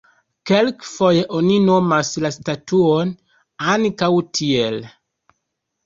Kelkfoje oni nomas la statuon ankaŭ tiel.